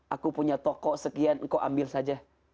aku punya toko sekian engkau ambil saja